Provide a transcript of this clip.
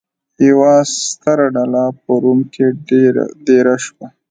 یوه ستره ډله په روم کې دېره شوه.